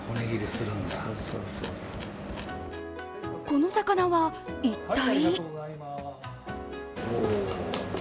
この魚は、一体？